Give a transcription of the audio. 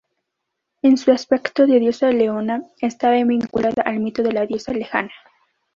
En su aspecto de diosa leona, estaba vinculada al mito de la diosa lejana.